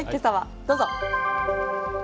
どうぞ。